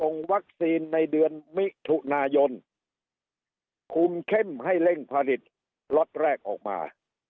วัคซีนในเดือนมิถุนายนคุมเข้มให้เร่งผลิตล็อตแรกออกมา